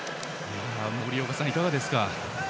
森岡さん、いかがですか。